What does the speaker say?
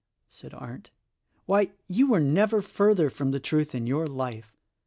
said Arndt, "why, you were never further from the truth in your life.